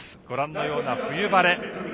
ご覧のような冬晴れ。